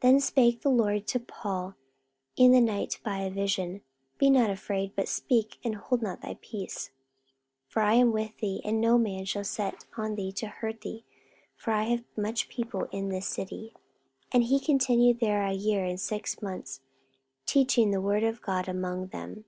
44:018:009 Then spake the Lord to Paul in the night by a vision, Be not afraid, but speak, and hold not thy peace: 44:018:010 For I am with thee, and no man shall set on thee to hurt thee: for I have much people in this city. 44:018:011 And he continued there a year and six months, teaching the word of God among them.